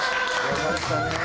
よかったね。